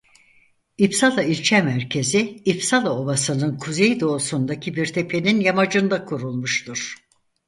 İpsala ilçe merkezi İpsala ovasının kuzeydoğusundaki bir tepenin yamacında kurulmuştur.